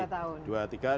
masih ada dua tahun